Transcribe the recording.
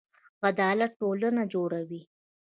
عدالت ټولنه جوړوي